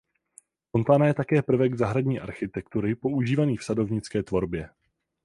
Fontána je také prvek zahradní architektury používaný v sadovnické tvorbě.